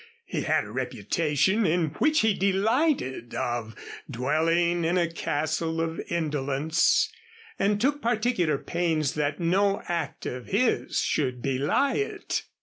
He had a reputation (in which he delighted) of dwelling in a Castle of Indolence, and took particular pains that no act of his should belie it.